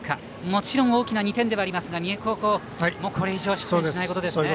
もちろん大きな２点ではありますが三重高校、これ以上失点しないことですね。